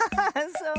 そう？